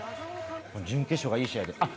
準決勝がいい試合であっ